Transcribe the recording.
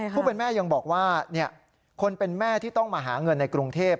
ผู้เป็นแม่ยังบอกว่าคนเป็นแม่ที่ต้องมาหาเงินในกรุงเทพ